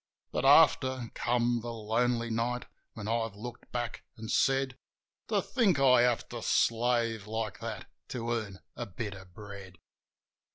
Biit, after, came the lonely night, when I've looked back an' said, "To think I have to slave like that to earn a bit of bread